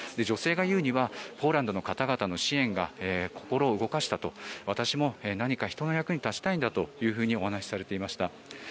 女性が言うにはポーランドの方々の支援が心を動かしたと私も何か人の役に立ちたいんだというふうにお話しされていました。